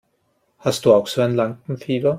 Hast du auch so ein Lampenfieber?